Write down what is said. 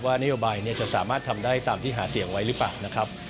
นโยบายจะสามารถทำได้ตามที่หาเสียงไว้หรือเปล่านะครับ